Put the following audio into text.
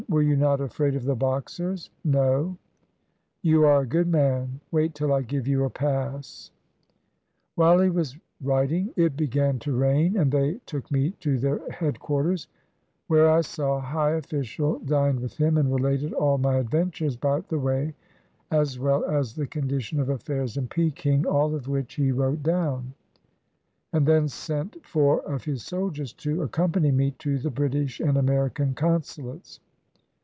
"Were you not afraid of the Boxers?" "No." "You are a good man; wait till I give you a pass." While he was writing, it began to rain, and they took me to their headquarters, where I saw a high official, dined with him, and related all my adventures by the way as well as the condition of affairs in Peking; all of which, he wrote down, and then sent four of his soldiers to accom pany me to the British and American Consulates.